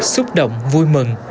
xúc động vui mừng